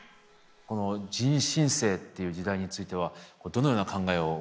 この人新世っていう時代についてはどのような考えをお持ちですか？